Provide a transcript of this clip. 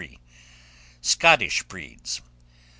SCOTTISH BREEDS.